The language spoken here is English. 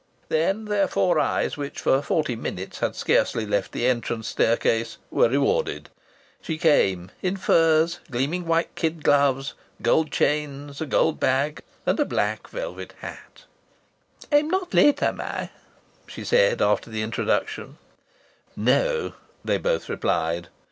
Then their four eyes, which for forty minutes had scarcely left the entrance staircase, were rewarded. She came, in furs, gleaming white kid gloves, gold chains, a gold bag, and a black velvet hat. "I'm not late, am I?" she said, after the introduction. "No," they both replied.